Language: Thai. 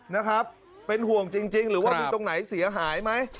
นะครับเป็นห่วงจริงหรือว่ามีตรงไหนเสียหายไหม